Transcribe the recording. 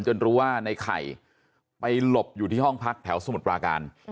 รู้ว่าในไข่ไปหลบอยู่ที่ห้องพักแถวสมุทรปราการ